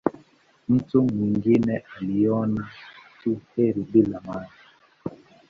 Mtu mwingine aliona tu herufi bila maana.